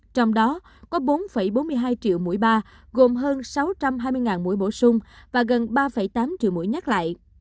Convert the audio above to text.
trong đó có bốn bốn mươi hai triệu mũi ba gồm hơn sáu trăm hai mươi mũi bổ sung và gần ba tám triệu mũi nhát lại